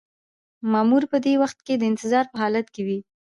مامور په دې وخت کې د انتظار په حالت کې وي.